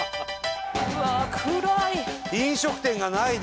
うわー暗い！